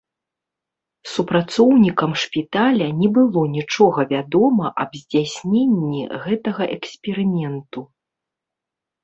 Супрацоўнікам шпіталя не было нічога вядома аб здзяйсненні гэтага эксперыменту.